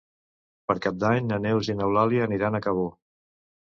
Per Cap d'Any na Neus i n'Eulàlia aniran a Cabó.